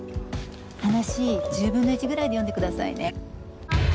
話１０分の１ぐらいで読んでくださいね。